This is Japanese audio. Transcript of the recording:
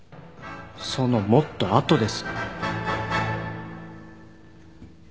そのもっと後です。